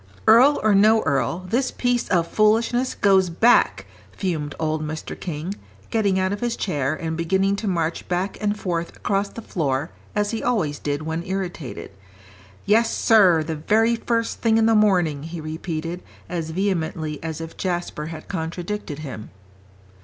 "Earl or no earl, this piece of foolishness goes back," fumed old Mr. King, getting out of his chair, and beginning to march back and forth across the floor as he always did when irritated. "Yes, sir, the very first thing in the morning," he repeated, as vehemently as if Jasper had contradicted him.